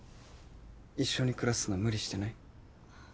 一緒に暮らすの無理してない？